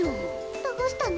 どうしたの？